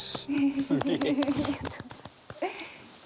すげえ。